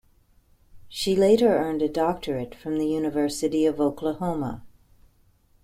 She later earned a doctorate from the University of Oklahoma.